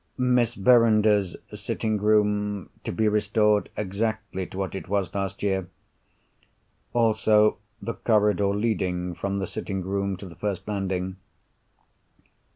"Miss Verinder's sitting room to be restored exactly to what it was last year. Also, the corridor leading from the sitting room to the first landing.